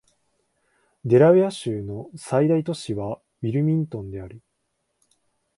デラウェア州の最大都市はウィルミントンである